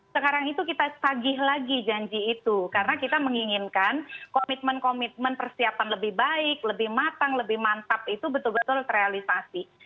sekarang itu kita tagih lagi janji itu karena kita menginginkan komitmen komitmen persiapan lebih baik lebih matang lebih mantap itu betul betul terrealisasi